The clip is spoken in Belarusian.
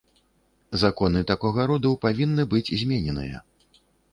Законы такога роду павінны быць змененыя.